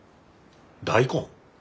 大根？